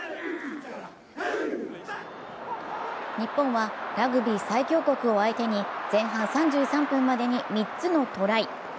日本は、ラグビー最強国を相手に前半３３分までに３つのトライ。